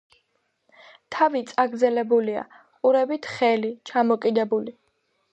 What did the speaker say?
თავი წაგრძელებულია, ყურები თხელი, ჩამოკიდებული.